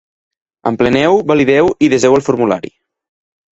Empleneu, valideu i deseu el formulari.